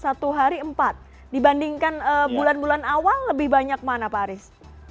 satu hari empat dibandingkan bulan bulan awal lebih banyak mana pak aris